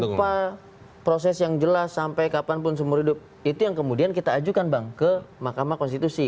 tanpa proses yang jelas sampai kapanpun seumur hidup itu yang kemudian kita ajukan bang ke mahkamah konstitusi